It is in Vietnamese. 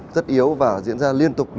rất yếu và diễn ra liên tục